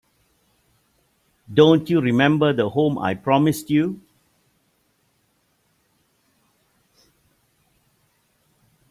Don't you remember the home I promised you?